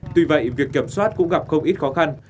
tuy vậy việc kiểm soát cũng gặp không ít khó khăn